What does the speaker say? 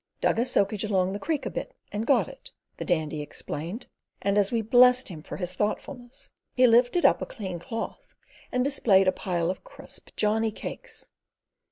"Dug a soakage along the creek a bit and got it," the Dandy explained; and as we blessed him for his thoughtfulness, he lifted up a clean cloth and displayed a pile of crisp Johnny cakes.